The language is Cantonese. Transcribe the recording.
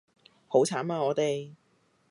好慘啊我哋